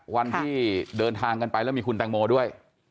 วันที่เดินทางกันไปแล้วมีคุณแตงโมด้วย